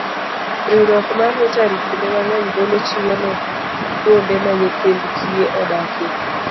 Riwruok mar Rotary kinde mang'eny golo chiwo ne kuonde ma nyithind kiye odakie.